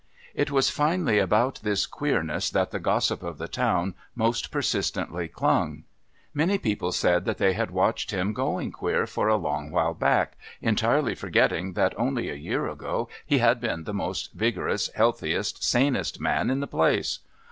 It was finally about this "queerness" that the gossip of the town most persistently clung. Many people said that they had watched him "going queer" for a long while back, entirely forgetting that only a year ago he had been the most vigorous, healthiest, sanest man in the place.